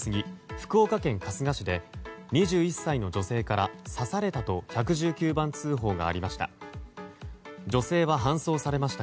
福岡県春日市で２１歳の女性から、刺されたと１１９番通報がありました。